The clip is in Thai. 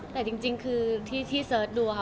แต่จริงคือที่เสิร์ชดูค่ะ